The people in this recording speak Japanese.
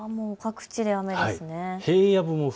各地で雨ですね。